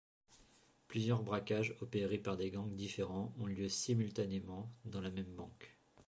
Plusieurs braquages opérés par des gangs différents ont lieu simultanément dans la même banque.